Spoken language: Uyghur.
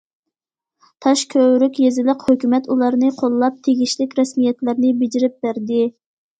تاشكۆۋرۈك يېزىلىق ھۆكۈمەت ئۇلارنى قوللاپ، تېگىشلىك رەسمىيەتلەرنى بېجىرىپ بەردى.